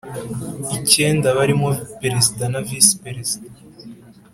icyenda barimo Perezida na Visi Perezida